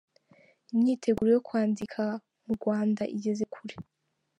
Imyiteguro yo kwandika mu Rwanda igeze kure